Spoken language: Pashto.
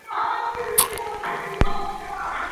د پرمختګ لاره یوازي پوهو خلګو ته نه سي منسوبېدلای.